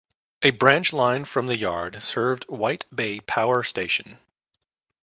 A branch line from the yard served White Bay Power Station.